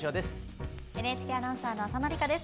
ＮＨＫアナウンサーの浅野里香です。